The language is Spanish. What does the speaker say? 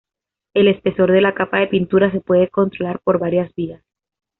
El espesor de la capa de pintura se puede controlar por varias vías.